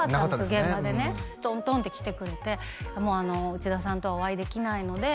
現場でねトントンって来てくれて「もう内田さんとはお会いできないので」